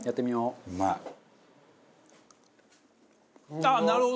ああなるほど！